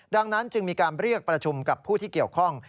ดังนั้นจึงมีการเรียกประชุมกับผู้ที่เกี่ยวข้อง